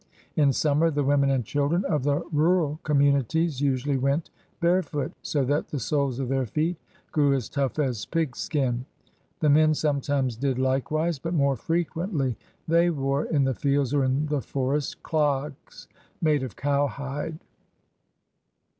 In sununer the women and children of the rural communities usually went barefoot so that the soles of their feet grew as tough as pigskin; the men sometimes did likewise, but more frequently they wore, in the fields or in the forest, dogs made of cowhide.